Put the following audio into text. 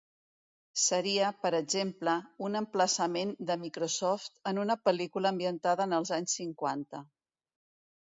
Seria, per exemple, un emplaçament de Microsoft en una pel·lícula ambientada en els anys cinquanta.